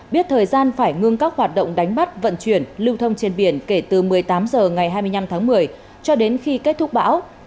biết thời gian phải ngưng các hoạt động đánh bắt vận chuyển lưu thông trên biển kể từ một mươi tám h ngày hai mươi năm tháng một mươi cho đến khi kết thúc bão